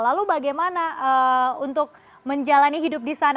lalu bagaimana untuk menjalani hidup di sana